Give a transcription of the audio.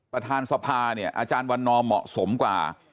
ประธานสภาเนี่ยอาจารย์วันนอร์เหมาะสมกว่า